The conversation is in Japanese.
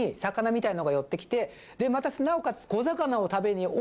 またなおかつ。